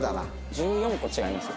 １４個違いますよ。